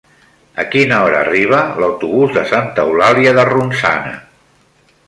A quina hora arriba l'autobús de Santa Eulàlia de Ronçana?